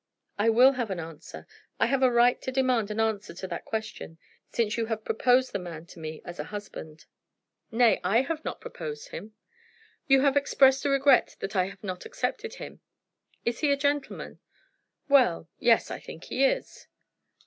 "I will have an answer. I have a right to demand an answer to that question, since you have proposed the man to me as a husband." "Nay, I have not proposed him." "You have expressed a regret that I have not accepted him. Is he a gentleman?" "Well; yes; I think he is."